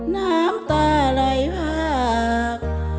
น้ำตาในภาพ